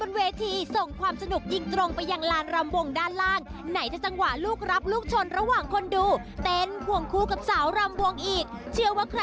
จะสนุกขนาดไหนไปชมกับสกุฟตัวนี้เลยค่ะ